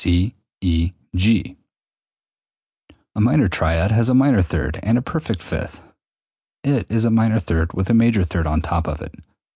C E G. A minor triad has a minor third and a perfect fifth, i.e., it is a minor third with a major third on top of it.